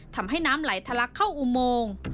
ทำให้น้ำไหลทะลักเข้าอุโมง